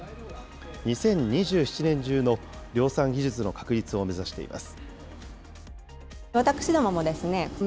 ２０２７年中の量産技術の確立を目指しています。